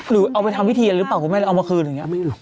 หรือเอาไปทำวิธีหรือเปล่าคุณแม่เอามาคืนอย่างนี้